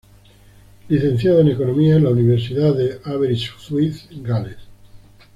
Licenciado en Economía en la Universidad de Aberystwyth, Gales.